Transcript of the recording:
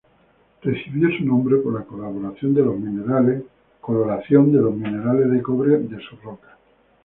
Recibió su nombre por la coloración de los minerales de cobre de sus rocas.